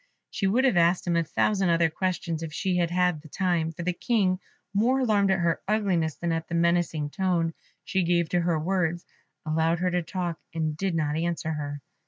She would have asked him a thousand other questions if she had had the time, for the King, more alarmed at her ugliness than at the menacing tone she gave to her words, allowed her to talk, and did not answer her.